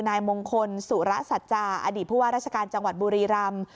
นายมงคลสุระสัจจาอดีตผู้ว่าราชการจังหวัดบุรีรำ